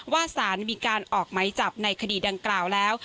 สารมีการออกไหมจับในคดีดังกล่าวแล้ว